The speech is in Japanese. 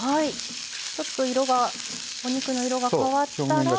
ちょっとお肉の色が変わったら。